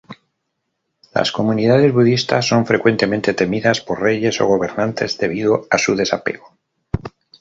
Las comunidades budistas son frecuentemente temidas por reyes o gobernantes debido a su desapego.